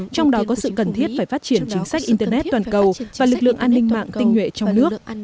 trong đó có sự cần thiết phải phát triển chính sách internet toàn cầu và lực lượng an ninh mạng tinh nhuệ trong nước